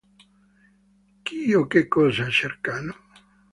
Chi o che cosa cercano?